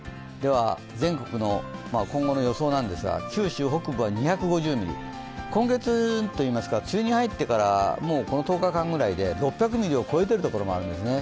全国の今後の予想なんですが、九州北部は２５０ミリ、今月といいますか、梅雨に入ってから、もうこの１０日間ぐらいで６００ミリを超えているところもあるんですね、